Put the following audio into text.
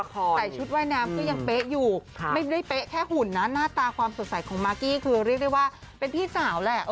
ใส่ชุดว่ายน้ำก็ยังเป๊ะอยู่ไม่ได้เป๊ะแค่หุ่นนะหน้าตาความสดใสของมากกี้คือเรียกได้ว่าเป็นพี่สาวแหละ